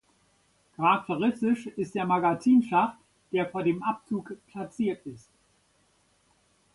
Charakteristisch ist der Magazinschacht, der vor dem Abzug platziert ist.